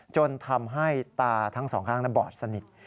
จนทำให้ตาทั้งสองข้างบอดสนิท